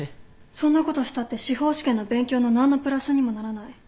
そんなことしたって司法試験の勉強の何のプラスにもならない。